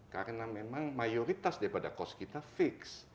karena memang mayoritas daripada kos kita fix